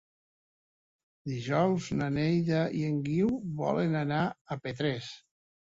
Dijous na Neida i en Guiu volen anar a Petrés.